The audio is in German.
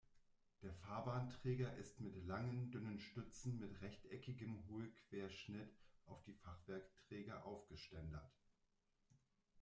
Der Fahrbahnträger ist mit langen, dünnen Stützen mit rechteckigem Hohlquerschnitt auf die Fachwerkträger aufgeständert.